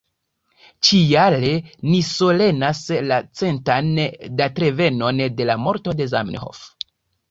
Ĉi-jare ni solenas la centan datrevenon de la morto de Zamenhof.